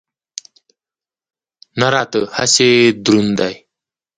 نه راته هسې دروند دی.